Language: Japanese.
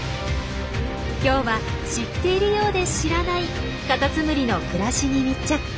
今日は知っているようで知らないカタツムリの暮らしに密着。